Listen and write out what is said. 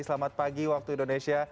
selamat pagi waktu indonesia